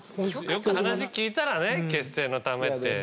話聞いたらね血清のためって。